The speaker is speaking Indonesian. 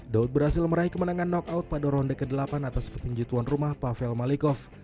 daud berhasil meraih kemenangan knockout pada ronde ke delapan atas petinju tuan rumah pavel malikov